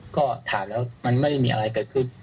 ก็ถามแล้วมันไม่ได้มีอะไรเกิดขึ้น